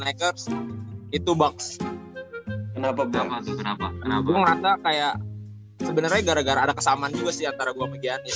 leker itu box kenapa kenapa kenapa kayak sebenarnya gara gara ada kesamaan juga sih